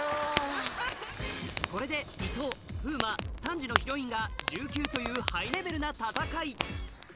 これで伊藤風磨３時のヒロインが１９というハイレベルな戦い